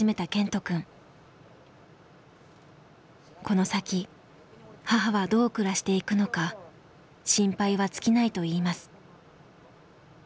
この先母はどう暮らしていくのか心配は尽きないといいます。